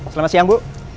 selamat siang bu